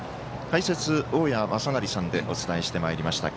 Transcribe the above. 解説、大矢正成さんでお伝えしてまいりました。